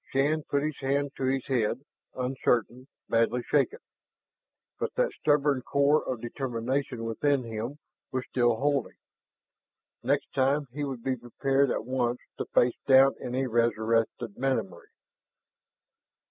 Shann put his hand to his head, uncertain, badly shaken. But that stubborn core of determination within him was still holding. Next time he would be prepared at once to face down any resurrected memory.